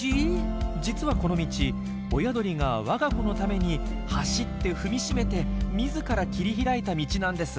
実はこの道親鳥が我が子のために走って踏みしめて自ら切り開いた道なんです。